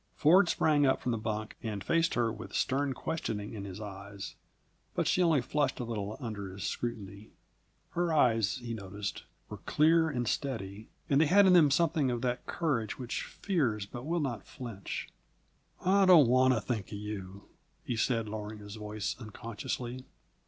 Ford sprang up from the bunk and faced her with stern questioning in his eyes, but she only flushed a little under his scrutiny. Her eyes, he noticed, were clear and steady, and they had in them something of that courage which fears but will not flinch. "I don't want to think of you!" he said, lowering his voice unconsciously.